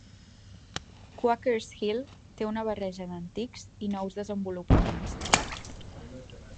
Quakers Hill té una barreja d'antics i nous desenvolupaments.